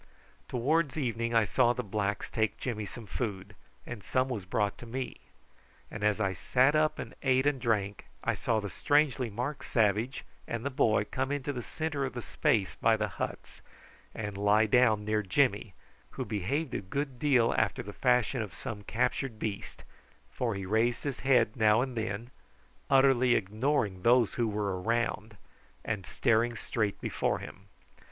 Towards evening I saw the blacks take Jimmy some food, and some was brought to me; and as I sat up and ate and drank I saw the strangely marked savage and the boy come into the centre of the space by the huts, and lie down near Jimmy, who behaved a good deal after the fashion of some captured beast, for he raised his head now and then, utterly ignoring those who were around, and staring straight before him.